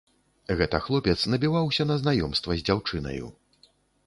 Гэта хлопец набіваўся на знаёмства з дзяўчынаю.